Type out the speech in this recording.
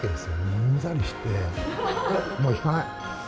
うんざりして、もう弾かない！